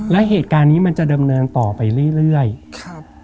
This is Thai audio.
และเหตุการณ์นี้มันจะดำเนินต่อไปเรื่อยเรื่อยครับ